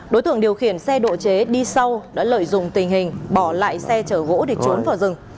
đối tượng điều khiển xe độ chế đi sau đã lợi dụng tình hình bỏ lại xe chở gỗ để trốn vào rừng